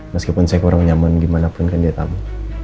meskipun saya kurang nyaman gimana pun kan dia tahu